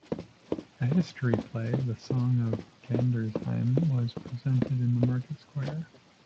A history play, "The Song of Gandersheim," was presented in the market square.